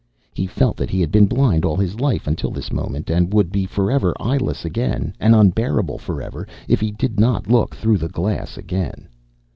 He felt that he had been blind all his life until this moment and would be forever eyeless again, an unbearable forever, if he did not look through the glass again.